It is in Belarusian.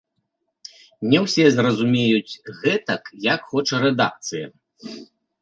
Не ўсе зразумеюць гэтак, як хоча рэдакцыя.